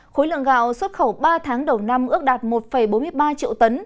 khối lượng gạo xuất khẩu ba tháng đầu năm ước đạt một bốn mươi ba triệu tấn